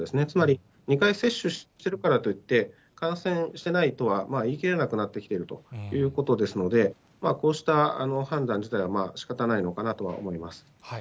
つまり、２回接種してるからといって、感染してないとは言い切れなくなってきているということですので、こうした判断自体は、しかたないのかなとは思います。